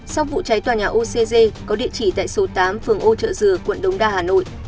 sau vụ cháy tòa nhà ocg có địa chỉ tại số tám phường âu trợ dừa quận đống đa hà nội